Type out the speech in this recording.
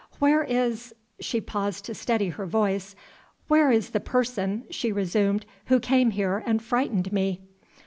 "Where is " She paused to steady her voice. "Where is the person," she resumed, "who came here and frightened me?"